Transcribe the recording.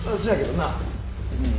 うん。